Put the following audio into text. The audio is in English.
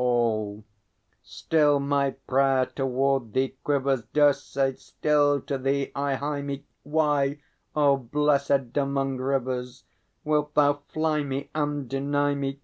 All. Still my prayer toward thee quivers, Dircê, still to thee I hie me; Why, O Blessèd among Rivers, Wilt thou fly me and deny me?